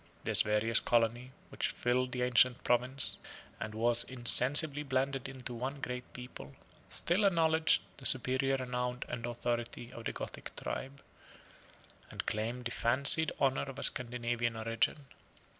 This various colony, which filled the ancient province, and was insensibly blended into one great people, still acknowledged the superior renown and authority of the Gothic tribe, and claimed the fancied honor of a Scandinavian origin.